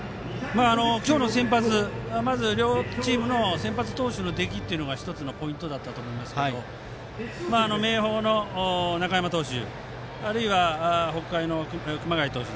今日の両チームの先発投手の出来が１つのポイントだと思いますが明豊の中山投手あるいは北海の熊谷投手